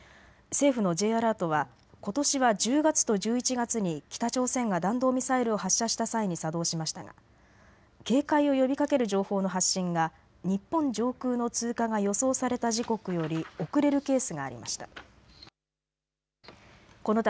政府のＪアラートは、ことしは１０月と１１月に北朝鮮が弾道ミサイルを発射した際に作動しましたが、警戒を呼びかける情報の発信が日本上空の通過が予想された時刻より遅れるケースがありました。